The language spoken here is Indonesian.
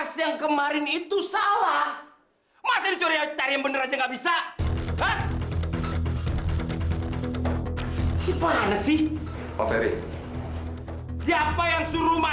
sampai jumpa di video selanjutnya